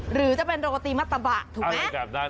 หรือจะเป็นโรตีมะตะวะถูกไหมอะไรแบบนั้น